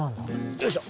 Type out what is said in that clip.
よいしょ。